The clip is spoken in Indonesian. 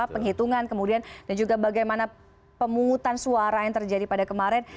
penghitungan kemudian dan juga bagaimana pemungutan suara yang terjadi pada kemarin